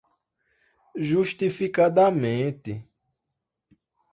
justificadamente